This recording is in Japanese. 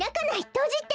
とじて！